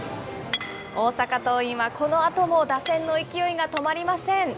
大阪桐蔭はこのあとも打線の勢いが止まりません。